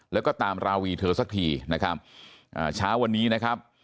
แล้วก็ตามราวีเธอสักทีนะครับอ่าเช้าวันนี้นะครับ